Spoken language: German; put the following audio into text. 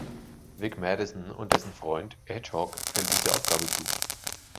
Vic Madison und dessen Freund Hedgehog fällt diese Aufgabe zu.